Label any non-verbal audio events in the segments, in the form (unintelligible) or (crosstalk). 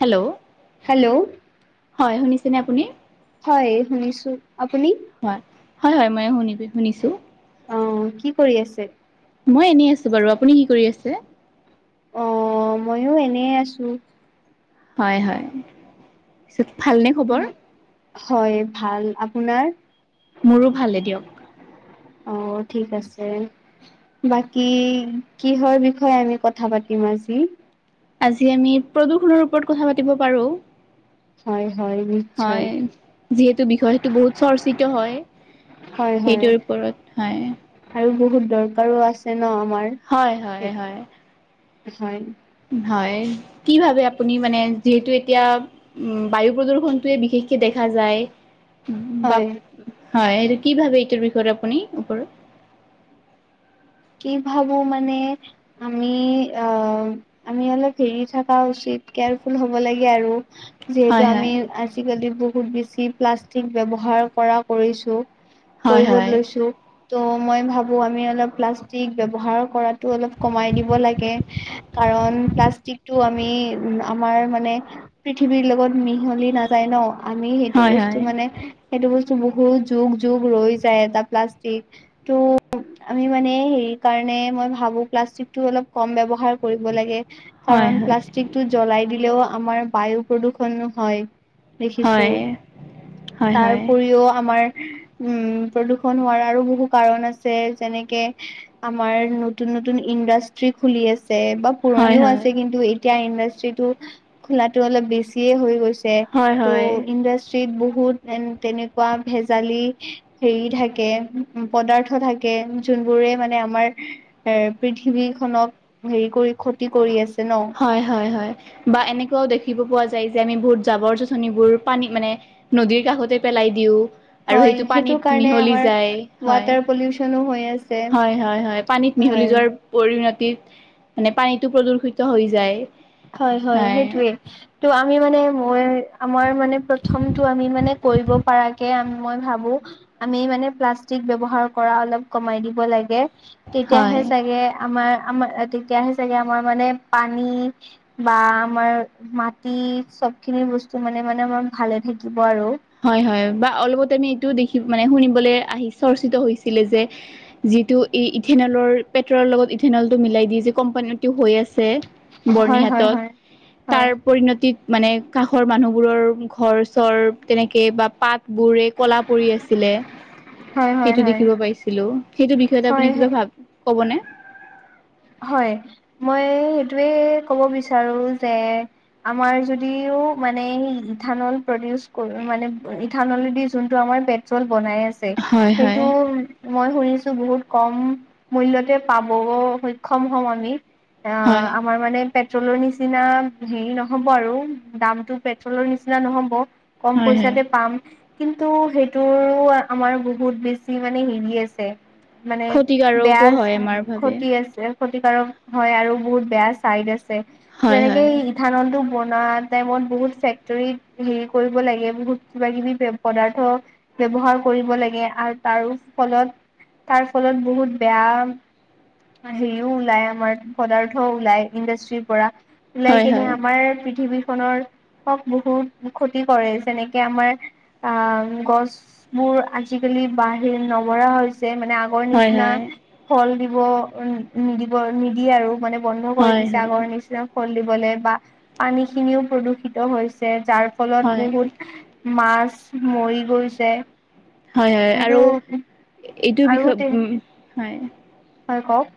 Hello? Hello? হয়, শুনিছেনে আপুনি? হয় শুনিছোঁ। আপুনি? হয়। হয় হয় ময়ো শুন-শুনিছোঁ। অ' কি কৰি আছে? মই এনেই আছোঁ বাৰু। আপুনি কি কৰি আছে? অ' ময়ো এনেই আছোঁ। হয় হয়। পিছত ভালনে খবৰ? হয় ভাল। আপোনাৰ? মোৰো ভালে দিয়ক। অ' ঠিক আছে। বাকি কিহৰ বিষয়ে আমি কথা পাতিম আজি? আজি আমি প্ৰদূষণৰ ওপৰত কথা পাতিব পাৰোঁ। হয় হয়। নিশ্চয় হয়, যিহেতু বিষয়টো বহুত চৰ্চিত হয়। হয় হয়। সেইটোৰ ওপৰত হয়। আৰু বহুত দৰকাৰো আছে ন' আমাৰ। হয় হয় হয়। হয়। হয়। কি ভাবে আপুনি মানে যিহেতু এতিয়া উম, বায়ু প্ৰদূষনটোৱে বিশেষকে দেখা যায়। উ, বাপ, হয়। হয় এইটো কি ভাবে এইটোৰ বিষয়ত আপুনি ওপৰত? কি ভাবোঁ মানে আমি আ আমি অলপ হেৰি থকা উচিত, কেয়াৰফুল হ'ব লাগে আৰু। যিহেতু হয় আমি হয় আজিকালি বহুত বেছি প্লাষ্টিক ব্যৱহাৰ কৰা কৰিছোঁ। হয় কৰিব হয় লৈছো ত' মই ভাবোঁ আমি অলপ প্লাছ টিক ব্যৱহাৰ কৰাতো অলপ কমাই দিব লাগে। কাৰণ প্লাষ্টিকটো আমি উ, আমাৰ মানে পৃথিৱীৰ লগত মিহলি নাযায় ন' আমি সেইটো হয় বস্তু মানে সেইটো বস্তু বহুত যুগ যুগ ৰৈ যায়। এটা প্লাষ্টিক তো আমি মানে হে হেৰি কাৰণে মই ভাবোঁ প্লাষ্টিকটোৰ অলপ কম ব্যবহাৰ কৰিব লাগে হয় কাৰণ হয় প্লাষ্টিক টো জ্বলাই দিলেও আমাৰ বায়ু প্ৰদূষণ হয়। দেখিছোঁ হয় হয় হয় তাৰ হয় উপৰিও আমাৰ উম, প্ৰদূষণ হোৱাৰ আৰু বহু কাৰণ আছে যেনেকে আমাৰ নতুন নতুন ইণ্ডাষ্ট্ৰি খুলি আছে বা হয় হয় পুৰণিও আছে কিন্তু এই এতিয়া ইণ্ডাষ্ট্ৰিটো খোলো অলপ বেছিয়ে হৈ গৈছে হয় হয় ত' ইণ্ডাছ ট্ৰিত বহুত এ, তেনেকুৱা ভেজালি হেৰি থাকে উ, পদাৰ্থ থাকে যোনবোৰে মানে আ আমাৰ এ, পৃথিৱীখনক হেৰি কৰি ক্ষতি কৰি আছে ন'। হয় হয় হয়। বা এনেকুৱাও দেখিব পোৱা যায় যে আমি বহুত জাবৰ যোঁথনিবোৰ পানীত মানে নদীৰ কাষতে পেলাই দিওঁ। আৰু হয় সেইটো পানীত কাৰণে মিহলি আমাৰ যায়। হয়। ৱাটাৰ পলিউচনো হৈ আছে হয় হয় হয়। পানীত মিহলি হয় যোৱাৰ পৰিণতিত মানে পানীটো প্ৰদুৰ্ষিত হৈ যায়। হয় হয় সেইটোৱে। ত' আমি মানে মই আমাৰ মানে প্ৰথমটো আমি মানে কৰিব পাৰাৰকে আ, মই ভাবোঁ আমি মানে প্লাষ্টিক ব্যৱহাৰ কৰা অলপ কমাই দিব লাগে। তেতিয়াহে হয় চাগে আমাৰ আমাৰ তেতিয়াহে চাগে আমাৰ মানে পানী বা আমাৰ মাটি চবখিনিৰ বস্তু মানে মানে আমাৰ ভালে থাকিব আৰু। হয় হয়। বা অলপতে আমি এইটো দেখি মানে শুনিবলৈ আহি চৰ্চিত হৈছিলে যে যিটো এই ইথেনলৰ পেট্ৰলৰ লগত ইথেনলটো মিলাই দি যি কোম্পানীটো হৈ আছে। হয় হয় বৰ্ণিহাটত, হয় হয় তাৰ পৰিণতিত মানে কাষৰ মানুহবোৰৰ ঘৰ চৰ তেনেকে বা পাত বোৰে ক'লা পৰি আছিলে। হয় হয় সেইটো দেখিব হয় পাইছিলো, সেইটো বিষয়তে আপুনি হয় হয় কিবা ভাব কবনে? হয়, মই সেইটোৱে ক'ব বিচাৰো যে আমাৰ যদিও মানে ইথানল প্ৰডিউচ কৰো মানে ইথানলদি যোনটো আমাৰ ব চ'ল বনাই আছে। হয় হয় সেইটো মই শুনিছো বহুত কম মূল্য়তে পাব। সক্ষম হ'ম আমি, আহ হয় আমাৰ মানে পেট্ৰলৰ নিচিনা হেৰি নহব আৰু দামতটো পেট্ৰলৰ নিচিনা নহ'ব। কম হয় হয় পইচাতে পাম। কিন্তু সেইটোৰ আমাৰ বহুত বেছি মানে হেৰি আছে। মানে, বেয়া ক্ষতিকাৰকো হয় আমাৰ বাবে ক্ষতি আছে। ক্ষতিকাৰক হয় আৰু বহুত বেয়া চাইড আছে, হয় যেনেকে হয় ধানলটো বনোৱা টাইমত বহুত ফেক্টৰীত হেৰি কৰিব লাগে বহুত কিবা কিবি পদাৰ্থ ব্যৱহাৰ কৰিব লাগে, আৰু তাৰো ফলত তাৰ ফলত বহুত বেয়া হেৰিও ওলাই আমাৰ পদাৰ্থ ওলাই ইণ্ডাষ্ট্ৰিৰ পৰা। ওলাই হয় কেনে হয় আমাৰ পৃথিৱীখনৰ, হক বহুত ক্ষতি কৰে যেনেকে আমাৰ আ গছ বোৰ আজিকালি বাহিৰ নবৰা হৈছে মানে গৰ হয় নিচিনা, হয় ফল দিব উ নিদিব নিদিয়ে আৰু মানে বন্ধ কৰি হয় দিছে, হয় আগৰ নিচিনা ফল দিবলৈ বা পানী খিনিও প্ৰদূষিত হৈছে যাৰ ফলত হয় বহুত মাছ মৰি গৈছে। হয় হয় কিন্তু আৰু এইটো আৰু বিষয়ে তে উম, হয়। হয় কওক।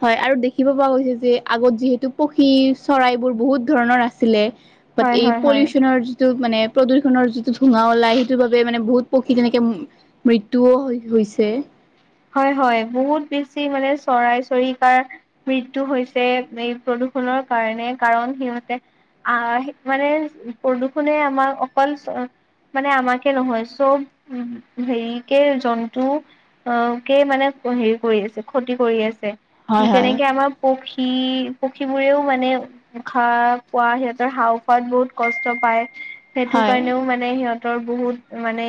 হয় আৰু দেখিব পোৱা গৈছে যে আগত যিহেতু পক্ষী চৰাইবোৰ বহুত ধৰণৰ আছিলে। বাট হয় এই হয় হয় পলিউশনৰ টো মানে প্ৰদূষণ যিটো ধোৱা ওলাই, সেইটো বাবে মানে বহুত পক্ষী তেনেকে মৃত্যুও হৈছে। হয় হয়, বহুত বেছি মানে চৰাই চৰিকাৰ মৃত্যু হৈছে এই প্ৰদূষণৰ কাৰণে কাৰণ সিহঁতে আহ মানে প্ৰদূষণে আমাৰ অকল মানে আমাকে নহয় চব হেৰিকে জন্তু অ' কেই মানে হেৰি কৰি আছে ক্ষতি কৰি আছে, হয় হয় যেনেকে আমাৰ পক্ষী পক্ষীবোৰেও মানে খা পোৱা সিহঁতৰ হওঁ খোৱাত বহুত কষ্ট পায়। সেইটো হয় কাৰণেও মানে সিহঁতৰ বহুত মানে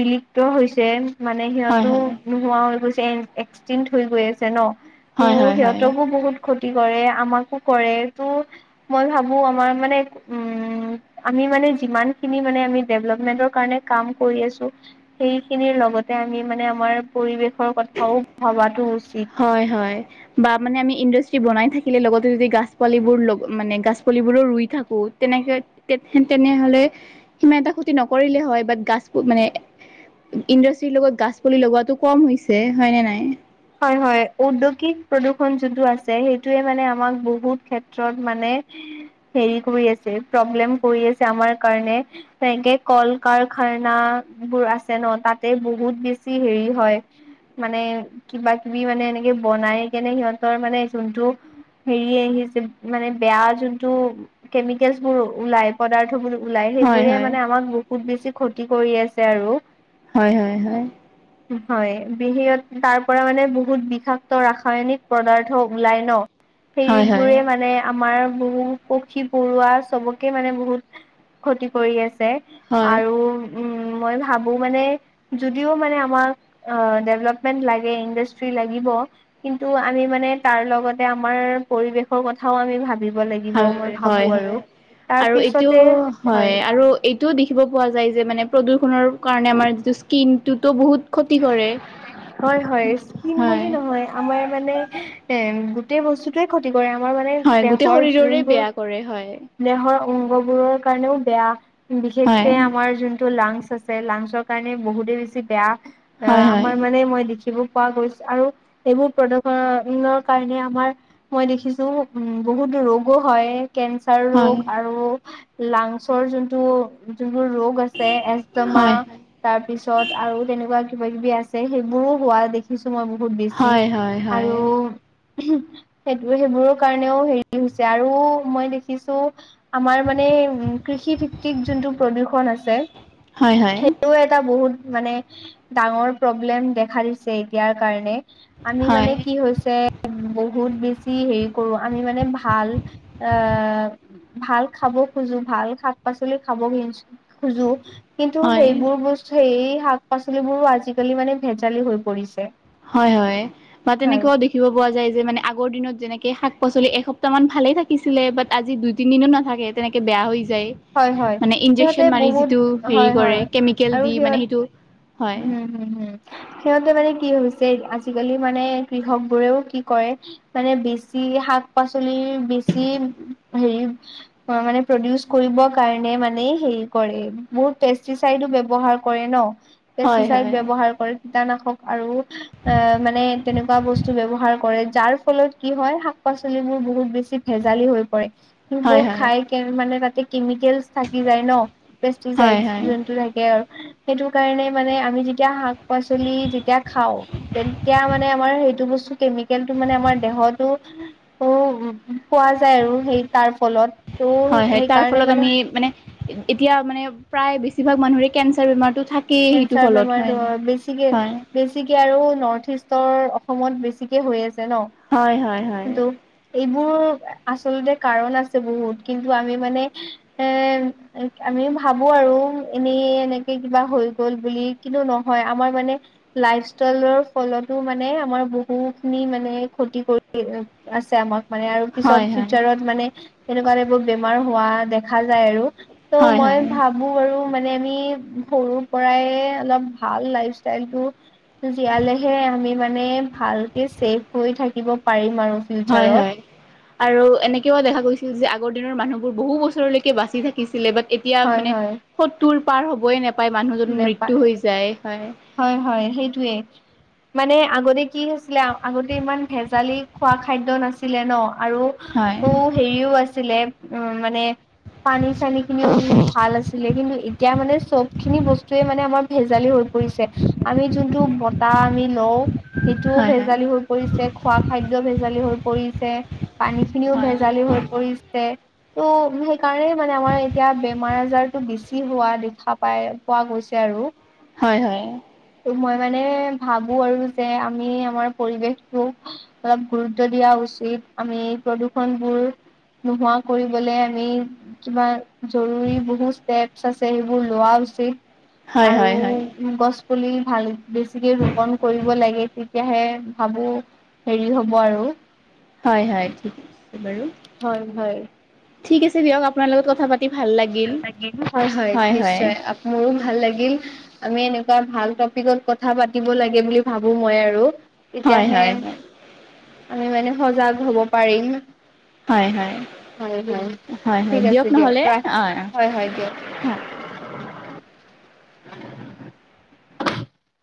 বিলুপ্ত হৈছে মানে হয় সিহঁতো হয়। হৈ গৈ এক্সট হৈ গৈ আছে ন, ত' হয় হয় হয় সিহঁতকো বহুত ক্ষতি কৰে, আমাকো কৰে, তো মই ভাবো আমাৰ মানে, উম। আমি মানে যিমান খিনি মানে আমি ডেভলপমেন্ৰ কাৰণে কাম কৰি আছো। সেইখিনিৰ লগতে আমি মানে আমাৰ পৰিৱেশৰ কথাও ভবাতো উচিত। হয়, হয়। বা মানে আমি ইণ্ডাষ্ট্ৰি বনাই থাকিলে, লগতে, যদি গাছ পালিবোৰ মানে গছ পালিবোৰো ৰুই থাকো। তেনেকে তে তেনেহলে, সিমা এটা খুতি নকৰিলে হয় বাট গছ মানে ইণ্ডাষ্ট্ৰিৰ লগত গছ পুলি লগোৱাটো কম হৈছে হয় নে নাই? হয় হয়, উদ্যোগিক প্ৰদূৰণ যোনটো আছে সেইটোয়ে মানে আমাক বহুত ক্ষেত্ৰত মানে হেৰি কৰি আছে, প্ৰব্লেম কৰি আছে আমাৰ কাৰণে। তেনেকে কল কাৰখানা বোৰ আছে, ন তাতে বহুত বেছি হেৰি হয়। মানে কিবা কিবি মানে এনেকে বনাই কেনে সিহঁতৰ মানে যোনটো হেৰি আহিছে মানে বেয়া যোনতটো কেমিকেলচ বোৰ ওলাই পদাৰ্থ বোৰ ওলাই হয় সেইবোৰে হয় মানে আমাক বহুত বেছি ক্ষতি কৰি আছে আৰু। হয়, হয়, হয়। হয় বিহত তাৰ পৰা মানে বহুত বিষাক্ত ৰাসায়নিক পদাৰ্থ ওলাই ন হয় সেইবোৰে মানে। আমাৰ বহু পক্ষী, পৰুৱা চবকে মানে বহুত ক্ষতি কৰি আছে। হয় আৰু উম। মই ভাবো মানে যদিও মানে আমাক ডেভলপমেণ্ট লাগ ইণ্ডাষ্ট্ৰি লাগিব। কিন্তু আমি মানে তাৰ লগতে আমাৰ পৰিৱেশৰ কথাও আমি ভাবিব লাগিব। মই ভাবো হয়, আৰু। হয় তাৰ আৰু এইটো পিছতে হয় আৰু। এইটোও দেখিব পোৱা যায় যে মানে প্ৰদূষণৰ কাৰণে আমাৰ যিটো স্কিন টোতো বহুত ক্ষতি কৰে। (inaudible) হয়, হয়, স্কিম হয় বুলি নহয় আমাৰ মানে এ, গোটেই বস্তু (unintelligible) ক্ষতি কৰে আমাৰ মানে হয় গোটেই দেহৰ শৰীৰৰে যোনবোৰ বেয়া কৰে হয় দেহৰ অংগ বোৰৰ কাৰণেও বেয়া বিশেষকে হয় আমাৰ যোনটো লাংচ আছে। লাংচৰ কাৰণে বহুতে বেছি বেয়া হয় আমাৰ মানে হয় মই দেখিব পোৱা গৈছো আৰু এইবোৰ প্ৰদূশনৰৰ কাৰণে আমাৰ মই দেখিছো উম, বহুত ৰোগো হয়। কেঞ্চাৰ ৰোগ আৰু লাংচৰ যোনটো যোনোৰ ৰোগ এজমা হয় হয় তাৰ পিছত আৰু তেনেকুৱা কিবা, কিবি আছে সেইবোৰো হোৱা দেখি দেখিছো মই বহুত বেছি হয় হয় আৰু। হয় সেইটো সেইবোৰৰ কাৰণেও হেৰি হৈছে আৰু মই দেখিছো। আমাৰ মানে উ, কৃষি ভিত্তিক যোনটো প্ৰদূৰ্ষন আছে। হয় হয় সেইটো এটা বহুত মানে ডাঙৰ প্ৰব্লেম দেখা দিছে। এতিয়াৰ কাৰণে আমি হয় মানে হয় কি হৈছে বহুত বেছি হেৰি কৰোঁ আমি মানে ভাল এ ভাল খাব খোজো ভাল শাক, পাচলি খাবো খোজো কিন্তু হয় সেইবোৰ বস্তু সেই শাক, পাচলিবোৰো আজিকালি মানে ভেজালি হৈ পৰিছে। হয়, হয় বা হয় তেনেকুৱা দেখি দেখিব পোৱা যায় যে মানে আগৰ দিনত যেনেকৈ শাক, পাচলি এসপ্তাহমান ভালেই থাকিছিলে বাট আজি দুই, তিনিদিনো নাথাকে। তেনেকে বেয়া হৈ যায় হয় হয় মানে সিহঁতে ইনজেকচন মাৰি বহুত যিটো হেৰি হয় কৰে হয় কেমিকেল আৰু দি মানে সিহঁত সেইটো হয় হুম, হুম, হুম। সিহঁতে মানে কি হৈছে আজিকালি মানে কৃষক বোৰেও কি কৰে মানে বেছি শাক, পাচলিৰ বেছি হেৰি অ, মানে প্ৰডউচ কৰিবৰ কাৰণে মানে হেৰি কৰে বহুত থাইডো ব্যৱহাৰ কৰে ন হয় পেষ্টিচাইড হয় ব্যৱহাৰ কৰে কীটনাশক আৰু এ, মানে তেনেকুৱা বস্তু ব্যৱহাৰ কৰে যাৰ ফলত কি হয় শাক পাচলিবোৰ বহুত বেছি ভেজালি হৈ পৰে সেইবোৰ হয় হয় খাই মানে তাতে কেমিকেলছ থাকি যায় ন, পেষ্টিচাইড হয় হয় যোনটো থাকে আৰু সেইটো কাৰণে মানে আমি যেতিয়া শাক, পাচলি যেতিয়া খাওঁ তেতিয়া মানে আমাৰ সেইটো বস্তু কেমিকেলটো মানে আমাৰ দেহতো উ, পোৱা যায় আৰু সেই তাৰ ফলত ত' হয়, হয় তাৰ সেইকাৰণে ফলত আমি মানে এতিয়া মানে প্ৰায় বেছিভাগ মানুহৰে কেঞ্চাৰ বেমাৰতটো থাকে। (unintelligible) সেইটো কেঞ্চাৰ ফলত হয়, বেমাৰটো ন, বেছিকে হয়। বেছিকে আৰু নৰ্থ ইষ্টৰ অসমত বেছিকে হৈ আছে ন। হয়, হয়, হয়। কিন্তু এইবোৰ আচলতে কাৰণ আছে বহুত কিন্তু আমি মানে এ, আমি ভাবো আৰু এনেই, এনেকে কিবা হৈ গ'ল বুলি কন্তু নহয় আমাৰ মানে লাইফ ষ্টাইলৰ ফ্ৰলতো মানে আমাৰ বহুখিনি মানে ক্ষতি কৰি আছে আমাক মানে আৰু পিছত হয় হয় হয় ফিউচাৰত মানে এনেকুৱা এবোৰ বেমাৰ হোৱা দেখা যায় আৰু। ত' হয় হয় মই ভাবোঁ বাৰু মানে আমি সৰু সৰুৰ পৰাই অলপ ভাল লাইফ ষ্টাইলটো জীয়ালেহে আমি মানে ভালকে ছেভ হৈ থাকিব পাৰিম আৰু। হয়, ফিউচাৰত হয়। আৰু এনেকেও দেখা গৈছিল যে আগৰ দিনৰ মানুহবোৰ বহু বছৰলৈকে বাচি থাকিছিলে, বাট এতিয়া এতিয়া হয় মানে হয় সত্তোৰ পাৰ হ'বই নাপায় মানুহজন নেপায় মৃত্যু হৈ যায়, হয়। হয়, হয়, সেইটোৱে। মানে আগতে কি হৈছিলে আগতে ইমান ভেজালি খোৱা খাদ্য নাছিলে ন' আৰু হয় উম, হেৰিও আছিলে উম, মানে পানী-চানীখিনিও ভাল আছিলে কিন্তু এতিয়া মানে চবখিনি বস্তুয়ে মানে আমাৰ ভেজালি হৈ পৰিছে, আমি যোনটো বতাহ আমি লওঁ সেইটোও হয় ভেজালি হৈ পৰিছে। খোৱা খাদ্য ভেজালি হৈ পৰিছে, পানীখিনিও হয় ভেজালি হৈ পৰিছে। ত' সেইকাৰণে মানে আমাৰ এতিয়া বেমাৰ আজাৰতটো বেছি হোৱা দেখা পাই পোৱা গৈছে আৰু। হয়, হয়। ত' মই মানে ভাবোঁ আৰু যে আমি আমাৰ পৰিৱেশটো অলপ গুৰুত্ব দিয়া উচিত, আমি প্ৰদূষনবোৰ নোহোৱা কৰিবলে আমি কিবা জৰুৰী বহু ষ্টেপচ আছে, সেইবোৰ লোৱা উচিত। হয় হয় আৰু গছ-পুলি ভাল বেছিকে ৰোপন কৰি লাগে তেতিয়াহে ভাবোঁ হেৰি হ'ব আৰু। হয়, হয়। ঠিক আছে বাৰু। হয়, হয়। ঠিক আছে দিয়ক আপোনাৰ লগত কথা পাতি ভাল লাগিল, হয়, হয়। মোৰো ভাল লাগিল। আমি এনেকুৱা ভাল টপিকত কথা পাতিব লাগে বুলি ভাবোঁ মই আৰু। হয় তেতিয়াহে হয় হয় আমি মানে সজাগ হ'ব পাৰিম। হয়, হয়। হয় হয় হয়, হয়। ঠিক আছে দিয়ক নহ'লে ৰাখ অহ। হয়, হয়, দিয়ক। হয়। (unintelligible)